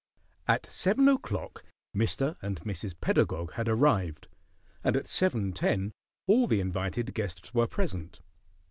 At seven o'clock Mr. and Mrs. Pedagog had arrived, and at seven ten all the invited guests were present.